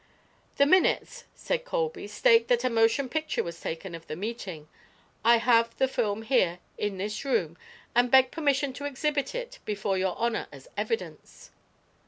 "The minutes," said Colby, "state that a motion picture was taken of the meeting. I have the film here, in this room, and beg permission to exhibit it before your honor as evidence."